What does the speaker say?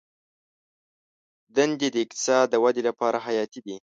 دندې د اقتصاد د ودې لپاره حیاتي دي.